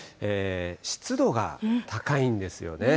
湿度が高いんですよね。